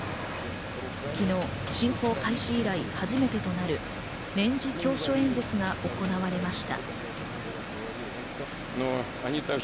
昨日、侵攻開始以来初めてとなる年次教書演説が行われました。